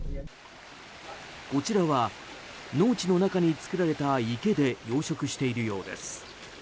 こちらは農地の中に作られた池で養殖しているようです。